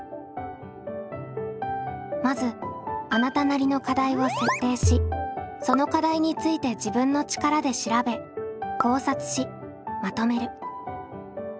まずあなたなりの課題を設定しその課題について自分の力で調べ考察しまとめる。